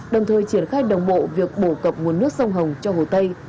đồng thời triển khai đồng bộ việc bổ cập nguồn nước sông hồng cho hồ tây